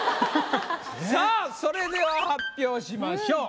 さぁそれでは発表しましょう。